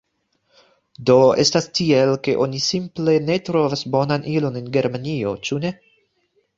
Do, estas tiel, ke oni simple ne trovas bonan ilon en Germanio, ĉu ne?